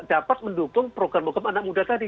dapat mendukung program program anak muda tadi